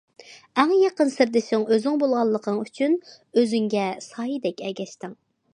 ئەڭ يېقىن سىردىشىڭ ئۆزۈڭ بولغانلىقىڭ ئۈچۈن، ئۆزۈڭگە سايىدەك ئەگەشتىڭ.